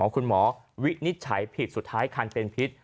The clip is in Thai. คุณหมอวินิจฉัยผิดสุดท้ายคันเป็นพิษ